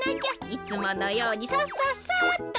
いつものようにさっさっさと。